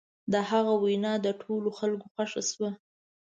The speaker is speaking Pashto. د هغه وینا د ټولو خلکو خوښه شوه.